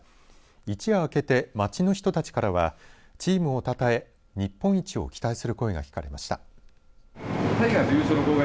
一夜明けて街の人たちからはチームをたたえ、日本一を期待する声が聞かれました。